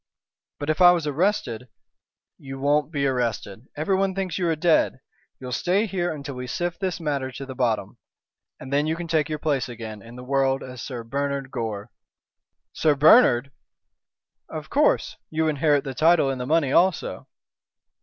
"But if I was arrested?" "You won't be arrested. Everyone thinks you are dead. You'll stay here until we sift this matter to the bottom, and then you can take your place again in the world as Sir Bernard Gore." "Sir Bernard!" "Of course. You inherit the title and the money also."